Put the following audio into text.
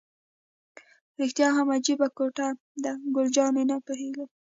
رښتیا هم عجیبه کوټه ده، ګل جانې: نه پوهېږم.